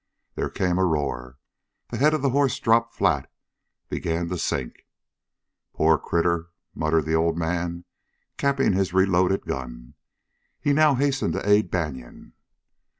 There came a roar. The head of the horse dropped flat, began to sink. "Pore critter!" muttered the old man, capping his reloaded gun. He now hastened to aid Banion.